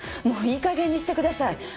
もういい加減にしてください！